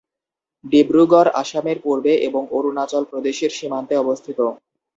ডিব্রুগড় আসামের পূর্বে এবং অরুণাচল প্রদেশের সীমান্তে অবস্থিত।